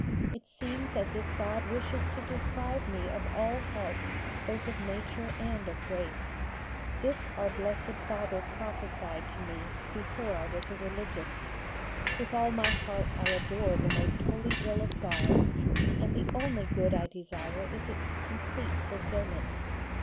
It seems as if God wishes to deprive me of all help both of nature and of grace. This our Blessed Father prophecied to me before I was a Religious. With all my heart I adore the most holy will of God, and the only good I desire is its complete fulfilment.